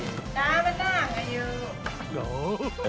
หรอ